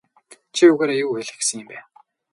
Чи үүгээрээ юу хэлэх гэсэн юм бэ?